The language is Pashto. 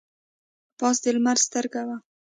پاس د لمر سترګه وه.